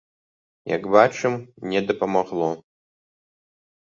Як бачым, не дапамагло.